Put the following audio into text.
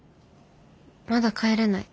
まだ帰れない。